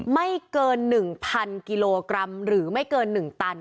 ไม่เกิน๑๐๐กิโลกรัมหรือไม่เกิน๑ตัน